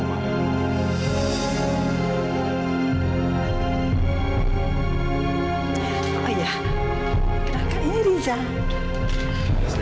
makanya tak ada siapa